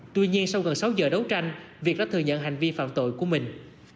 tuy nhiên sau gần sáu giờ đấu tranh việt đã thừa nhận hành vi phạm tội của mình